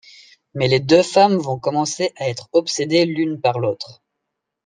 Mais les deux femmes vont commencer à être obsédées l'une par l'autre.